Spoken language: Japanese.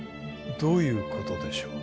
どういう事でしょう？